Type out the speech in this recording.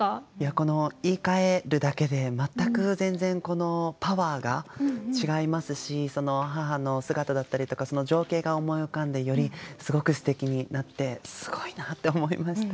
この言いかえるだけで全く全然このパワーが違いますし母の姿だったりとかその情景が思い浮かんでよりすごくすてきになってすごいなって思いました。